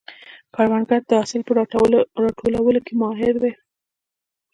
کروندګر د حاصل په راټولولو کې ماهر دی